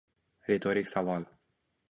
Ritorik savol